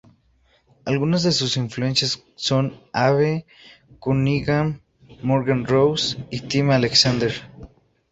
Algunas de sus influencias son Abe Cunningham, Morgan Rose y Tim Alexander.